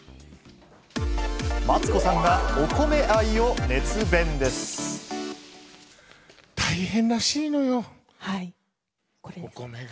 マツコさんがお米愛を熱弁で大変らしいのよ、お米が。